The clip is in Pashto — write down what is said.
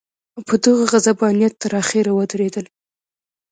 په دغه غصبانیت تر اخره ودرېدل.